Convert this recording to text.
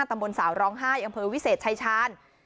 ตำบลสาวร้องไห้อำเภอวิเศษชายชาญ